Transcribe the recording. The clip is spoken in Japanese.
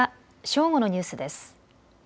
正午のニュースです。